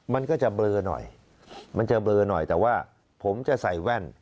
มันก็จะเบลอหน่อยมันจะเบลอหน่อยแต่ว่าผมจะใส่แว่น